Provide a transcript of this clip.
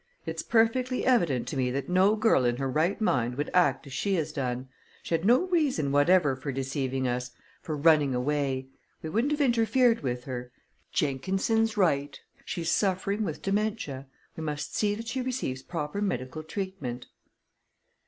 "It's perfectly evident to me that no girl in her right mind would act as she has done. She had no reason whatever for deceiving us for running away. We wouldn't have interfered with her. Jenkinson's right she's suffering with dementia. We must see that she receives proper medical treatment."